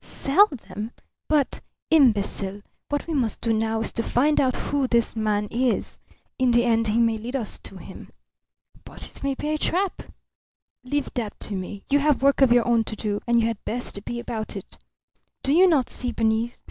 "Sell them? But " "Imbecile! What we must do is to find out who this man is. In the end he may lead us to him." "But it may be a trap!" "Leave that to me. You have work of your own to do, and you had best be about it. Do you not see beneath?